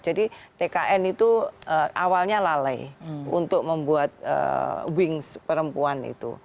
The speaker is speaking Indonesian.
jadi tkn itu awalnya lalai untuk membuat wings perempuan itu